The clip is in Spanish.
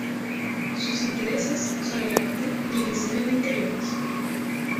Sus intereses son el arte y el diseño de interiores.